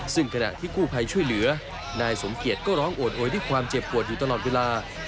ซึ่งขณะที่กู้ภัยช่วยเหลือนายสมเกียจก็ร้องโอดโอยด้วยความเจ็บปวดอยู่ตลอดเวลา